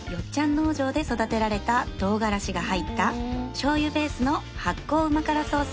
農場で育てられた唐辛子が入ったしょう油ベースの発酵うま辛ソース